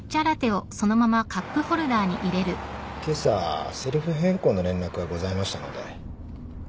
今朝せりふ変更の連絡がございましたので。